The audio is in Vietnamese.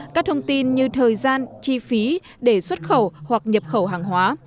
các thông tin như thời gian chi phí để xuất khẩu hoặc nhập khẩu hàng hóa